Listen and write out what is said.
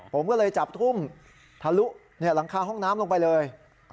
ผมก็เลยจับทุ่มทะลุหลังคาห้องน้ำลงไปเลย